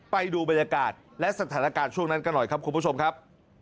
ไปดูบรรยากาศและสถานการณ์ช่วงนั้นกันหน่อยครับคุณผู้ชมครับ